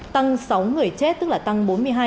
tăng sáu người chết tức là tăng bốn mươi hai